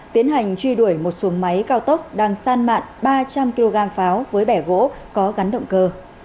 tiến hành truy đuổi một xuồng máy cao tốc đang san mạn ba trăm linh kg pháo với bẻ gỗ có gắn động cơ